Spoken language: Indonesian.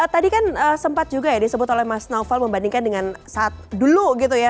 tadi kan sempat juga ya disebut oleh mas naufal membandingkan dengan saat dulu gitu ya